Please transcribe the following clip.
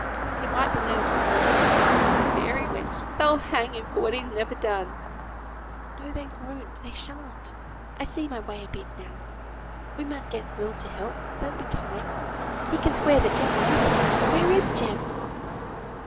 He might be led off on the road. Oh! Mary, wench! they'll hang him for what he's never done." [Footnote 45: "To set," to accompany.] "No, they won't they shan't! I see my way a bit now. We mun get Will to help; there'll be time. He can swear that Jem were with him. Where is Jem?"